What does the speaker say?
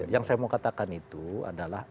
yang saya mau katakan itu adalah